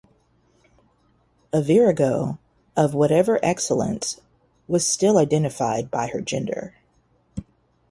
A virago, of whatever excellence, was still identified by her gender.